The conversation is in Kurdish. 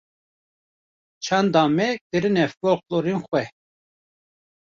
çanda me kirine foqlorên xwe.